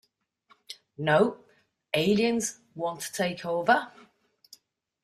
No, Aliens won't take over.